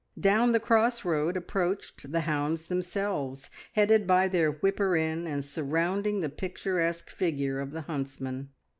Down the cross road approached the hounds themselves, headed by their whipper in and surrounding the picturesque figure of the huntsman.